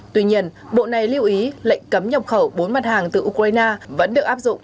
tuy nhiên bộ này lưu ý lệnh cấm nhập khẩu bốn mặt hàng từ ukraine vẫn được áp dụng